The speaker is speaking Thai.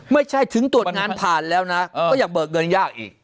ไม่ใช่ถึงตรวจงานผ่านแล้วนะก็ยังเบิกเงินยากอีก